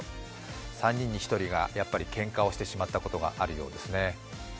３人に１人がやはり、けんかをしてしまったことがあるようですね。